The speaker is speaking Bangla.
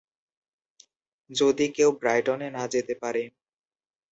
- যদি কেউ ব্রাইটনে না যেতে পারে!